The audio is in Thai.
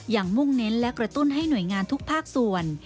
มุ่งเน้นและกระตุ้นให้หน่วยงานทุกภาคส่วน